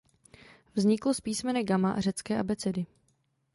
Vzniklo z písmene gama řecké abecedy.